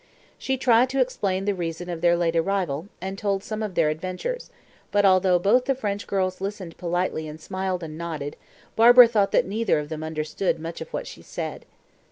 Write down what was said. She tried to explain the reason of their late arrival, and told some of their adventures; but, although both the French girls listened politely and smiled and nodded, Barbara thought that neither of them understood much of what she said.